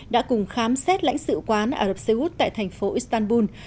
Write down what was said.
đã cùng khám xét lãnh sự quán ả rập xê út tại thành phố istanbul